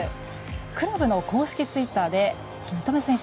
クラブの公式ツイッターで三笘選手